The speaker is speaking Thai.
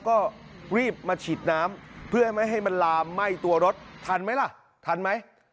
ก็รีบมาฉีดน้ำเพื่อให้ไม่ให้มันลามไหม้ตัวรถทันไหมล่ะทันไหม